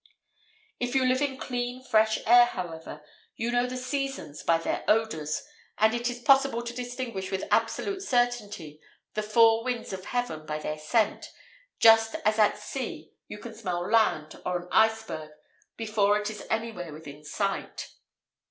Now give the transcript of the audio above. If you live in clean fresh air, however, you know the seasons by their odours, and it is possible to distinguish with absolute certainty the four winds of heaven by their scent, just as at sea you can smell land, or an iceberg, before it is anywhere within sight.